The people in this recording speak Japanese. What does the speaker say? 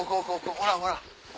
ほらほら！